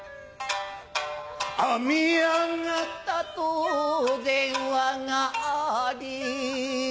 編み上がったと電話があり